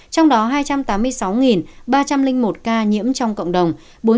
trong đó hai trăm tám mươi sáu ba trăm linh một ca nhiễm trong cộng đồng